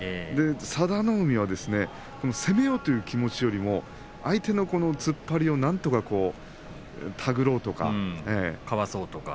佐田の海は攻めようという気持ちよりは相手の突っ張りをなんとかかわそうとか。